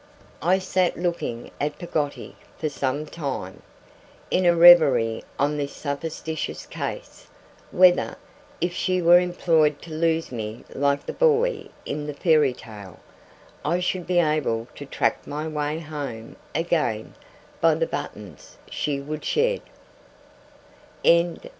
I sat looking at Peggotty for some time, in a reverie on this supposititious case: whether, if she were employed to lose me like the boy in the fairy tale, I should be able to track my way home again by the buttons she would shed.